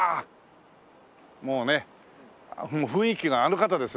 もうね雰囲気があの方ですね。